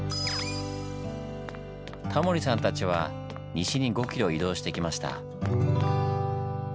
タモリさんたちは西に５ｋｍ移動してきました。